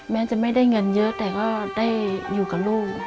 แม้จะไม่ได้เงินเยอะแต่ก็ได้อยู่กับลูก